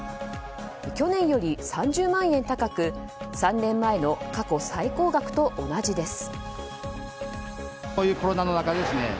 去年より３０万円高く３年前の過去最高額と同じです。